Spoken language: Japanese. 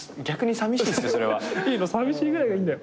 さみしいくらいがいいんだよ。